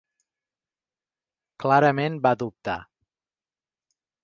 Clarament va dubtar.